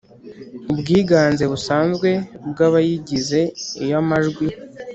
ubwiganze busanzwe bw abayigize Iyo amajwi